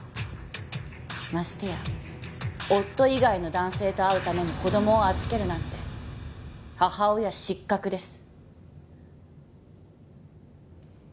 ましてや夫以外の男性と会うために子供を預けるなんて母親失格です。